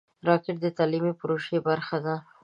راکټ د تعلیمي پروژو برخه ده